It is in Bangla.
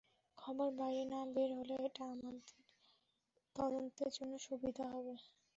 খবর বাইরে না বের হলে এটা আমাদের তদন্তের জন্য সুবিধা হবে।